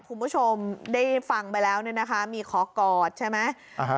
คุณผู้ชมได้ฟังไปแล้วเนี่ยนะคะมีขอกอดใช่ไหม